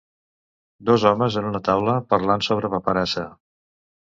Dos homes en una taula parlant sobre paperassa.